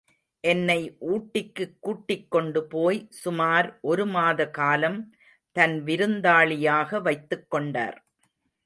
என்னை ஊட்டிக்குக் கூட்டிக் கொண்டு போய் சுமார் ஒரு மாதகாலம் தன் விருந்தாளியாக வைத்துக் கொண்டார்.